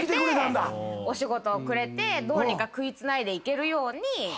お仕事をくれてどうにか食いつないでいけるように。